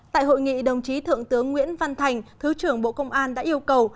tại hội nghị đồng chí thượng tướng nguyễn văn thành thứ trưởng bộ công an đã yêu cầu